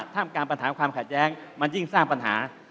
การปัญหาความขัดแย้งมันยิ่งสร้างปัญหา